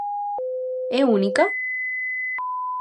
É única?